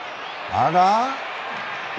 あら？